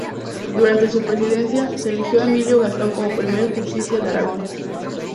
Durante su presidencia se eligió a Emilio Gastón como primer Justicia de Aragón.